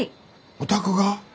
お宅が？